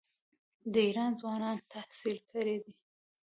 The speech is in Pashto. د ایران ځوانان تحصیل کړي دي.